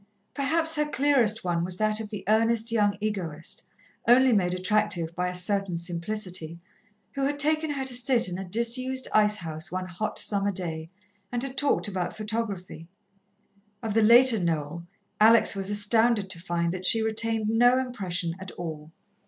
Perhaps her clearest one was that of the earnest young egoist, only made attractive by a certain simplicity, who had taken her to sit in a disused ice house one hot summer day, and had talked about photography. Of the later Noel, Alex was astounded to find that she retained no impression at all.